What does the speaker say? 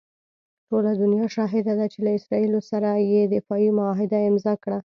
ټوله دنیا شاهده ده چې له اسراییلو سره یې دفاعي معاهده امضاء کړه.